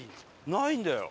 ないんだよ